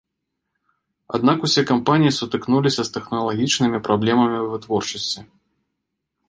Аднак усе кампаніі сутыкнуліся з тэхналагічнымі праблемамі вытворчасці.